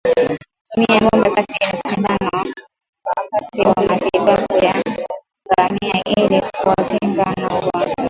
Tumia bomba safi la sindano wakati wa matibabu ya ngamia ili kuwakinga na ugonjwa